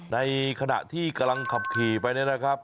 ในขณะที่กำลังขับขี่ไปเนี่ยนะครับ